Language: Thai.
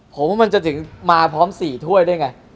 ผมว่ามันจะถึงมาพร้อม๔ถ้วยได้ไง